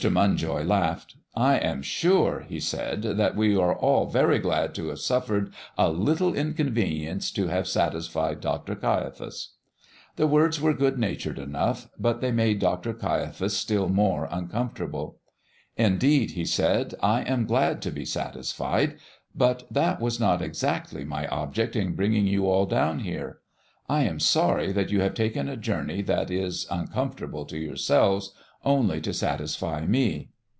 Munjoy laughed. "I am sure," he said, "that we are all very glad to have suffered a little inconvenience to have satisfied Dr. Caiaphas." The words were good natured enough, but they made Dr. Caiaphas still more uncomfortable. "Indeed," he said, "I am glad to be satisfied, but that was not exactly my object in bringing you all down here. I am sorry that you have taken a journey that is uncomfortable to yourselves only to satisfy me."